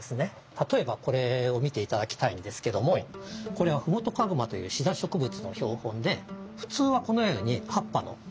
例えばこれを見ていただきたいんですけどもこれはフモトカグマというシダ植物の標本で普通はこのように葉っぱの地上部の標本ですよね。